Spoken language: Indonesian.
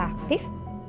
kok gak aktif